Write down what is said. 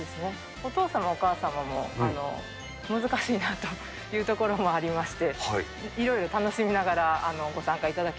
お父様、お母様も、難しいなというところもありまして、いろいろ楽しみななるほど。